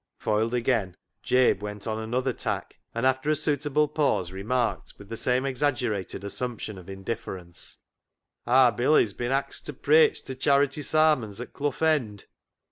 Foiled again, Jabe went on another tack, and after a suitable pause remarked, with the same exaggerated assumption of indifference —" Aar Billy's bin axed to preich t' charity sarmons at Clough End."